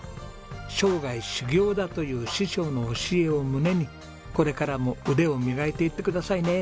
生涯修業だという師匠の教えを胸にこれからも腕を磨いていってくださいね。